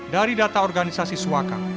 dari data organisasi swaka